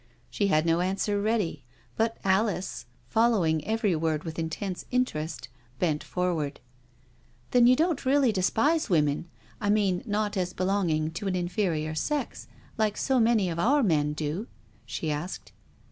She had no answer ready, but Alice, following every word with intense interest, bent forward. " Then you don't really despise women, I mean not as belonging to an inferior sex, like so many of our men do?" she asked.